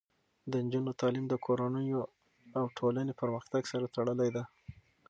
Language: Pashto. د نجونو تعلیم د کورنیو او ټولنې پرمختګ سره تړلی دی.